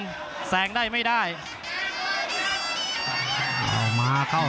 ภูตวรรณสิทธิ์บุญมีน้ำเงิน